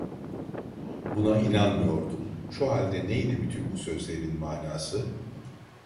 Buna inanmıyordum; şu halde neydi bütün bu sözlerin manası?